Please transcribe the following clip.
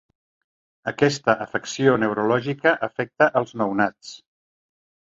Aquesta afecció neurològica afecta als nounats.